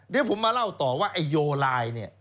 เดี๋ยวผมมาเล่าต่อว่าโยลาย